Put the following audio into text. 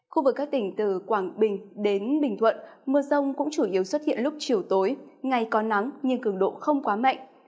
khu vực các tỉnh từ quảng bình đến bình thuận mưa rông cũng chủ yếu xuất hiện lúc chiều tối ngày có nắng nhưng cường độ không quá mạnh